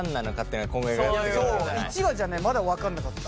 １話じゃねまだ分かんなかった。